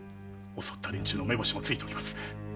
襲った連中の目星もついております。